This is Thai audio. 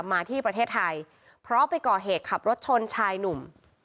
มาที่ประเทศไทยเพราะไปก่อเหตุขับรถชนชายหนุ่ม